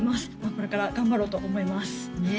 これから頑張ろうと思いますねえ